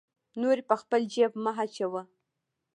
نورې په خپل جیب مه اچوه.